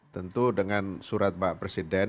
tentu dengan surat pak presiden